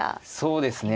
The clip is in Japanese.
そうですね